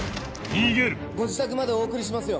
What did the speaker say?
ご自宅までお送りしますよ。